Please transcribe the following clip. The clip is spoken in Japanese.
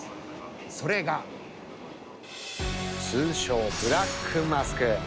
それが通称ブラックマスク。